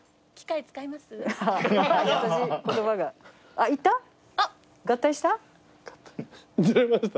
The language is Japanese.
あっいった？